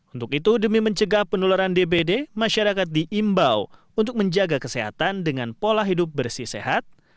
untuk itu demi mencegah penularan dbd masyarakat diimbau untuk menjaga kesehatan dengan pola hidup bersih sehat